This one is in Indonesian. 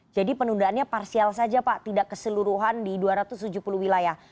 jadi penundaannya parsial saja pak tidak keseluruhan di dua ratus tujuh puluh wilayah